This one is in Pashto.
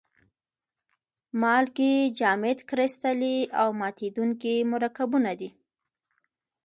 مالګې جامد کرستلي او ماتیدونکي مرکبونه دي.